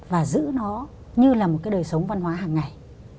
và giữ nó như là một cái đời sống văn hóa hàng ngày